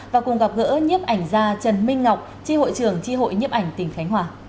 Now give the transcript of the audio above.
và cùng gặp gỡ nhếp ảnh gia trần minh ngọc tri hội trưởng tri hội nhiếp ảnh tỉnh khánh hòa